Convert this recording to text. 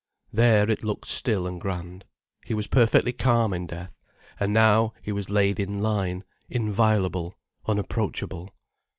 There, it looked still and grand. He was perfectly calm in death, and, now he was laid in line, inviolable, unapproachable.